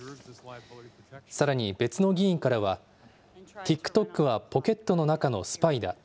さらに別の議員からは、ＴｉｋＴｏｋはポケットの中のスパイだ。